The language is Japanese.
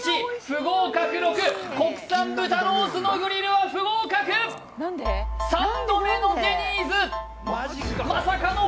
１不合格６国産豚ロースのグリルは不合格３度目のデニーズ